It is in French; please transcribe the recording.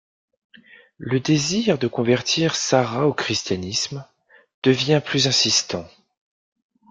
Le désir de convertir Sara au christianisme, devient plus insistant.